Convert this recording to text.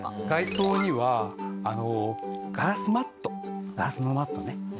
外装にはガラスマットガラスのマットね。